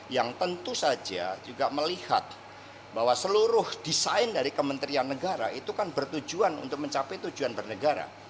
yang tentu saja juga melihat bahwa seluruh desain dari kementerian negara itu kan bertujuan untuk mencapai tujuan bernegara